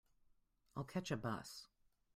I'll catch a bus.